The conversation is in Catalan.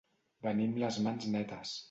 Venir amb les mans netes.